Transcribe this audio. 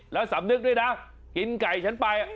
แล้วสำนึกด้วยนะกินไก่ฉันไป